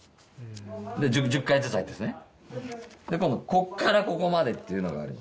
こっからここまでっていうのがあります